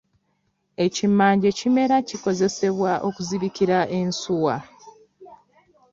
Ekimanje kimera kikozesebwa okuzibikira ensuwa.